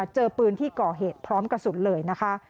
เจอปืนที่ก่อเหตุพร้อมกระสุนเลยนะคะ